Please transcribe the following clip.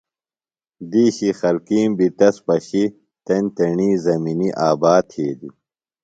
دِیشی خلکِیم بیۡ تس پشیۡ تیݨ تیݨی زمِنی آباد تِھیلیۡ۔